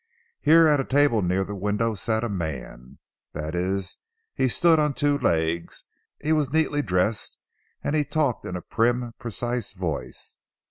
Here at a table near the window sat a man. That is he stood on two legs, he was neatly dressed, and he talked in a prim precise voice.